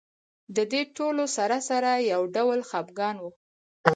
د دې ټولو سره سره یو ډول خپګان و.